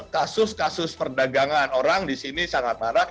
kasus kasus perdagangan orang di sini sangat marah